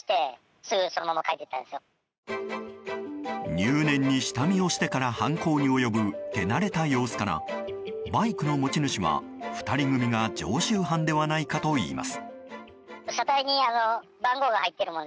入念に下見をしてから犯行に及ぶ手慣れた様子からバイクの持ち主は、２人組が常習犯ではないかといいます。